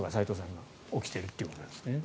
今起きているということですね。